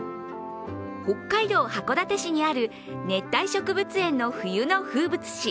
北海道函館市にある熱帯植物園の冬の風物詩